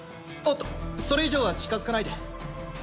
おっとそれ以上は近づかないで。